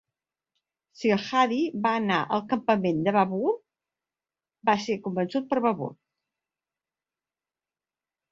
Silhadi que va anar al campament de Babur va ser convençut per Babur.